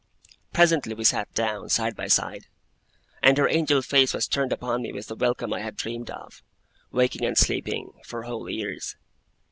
Presently we sat down, side by side; and her angel face was turned upon me with the welcome I had dreamed of, waking and sleeping, for whole years.